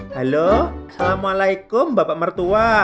halo assalamualaikum bapak mertua